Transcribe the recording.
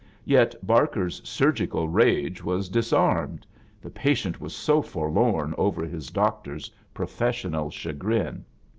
Yet Barker's sargical rage was dis armed, the patient was so forlorn over Iiis doctor's professional chagrin.